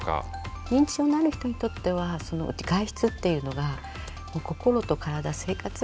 認知症のある人にとっては外出っていうのが心と体生活